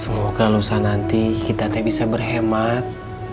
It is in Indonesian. semoga lusa nanti kita bisa berhemat